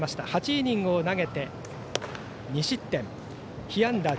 ８イニングを投げて２失点被安打１１。